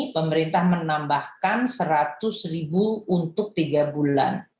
pemerintah menambahkan seratus ribu untuk tiga bulan